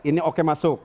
ini oke masuk